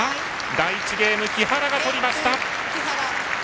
第１ゲーム、木原が取りました。